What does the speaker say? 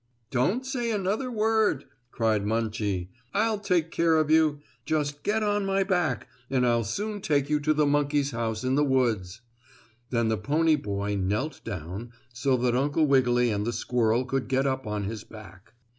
"Don't say another word!" cried Munchie. "I'll take care of you. Just get on my back and I'll soon take you to the monkey's house in the woods." Then the pony boy knelt down so that Uncle Wiggily and the squirrel could get up on his back.